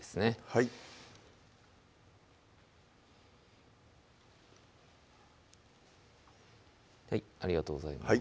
はいはいありがとうございます